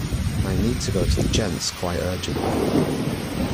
I need to go to the gents quite urgently